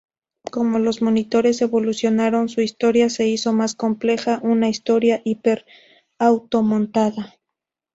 Como los monitores evolucionaron, su historia se hizo más compleja, una "historia hiper auto-montada".